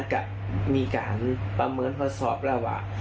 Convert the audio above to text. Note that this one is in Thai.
กับมีการประเมินมาสอบแล้วว่า